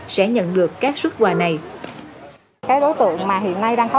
sẽ nhận được các xuất quà này